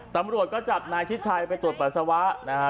ตำรวจก็จับนายชิดชัยไปตรวจปัสสาวะนะฮะ